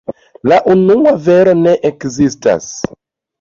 La unua vero ne ekzistas.